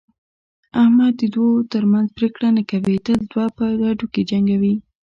احمد د دوو ترمنځ پرېکړه نه کوي، تل دوه په هډوکي جنګوي.